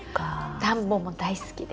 「ダンボ」も大好きです。